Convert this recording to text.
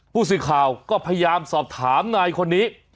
ผู้สื่อข่าวก็พยายามสอบถามนายคนนี้